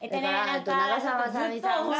長澤まさみさんが。